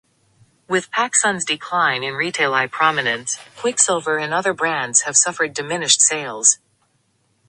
With PacSun's decline in retail prominence, Quiksilver and other brands have suffered diminished sales.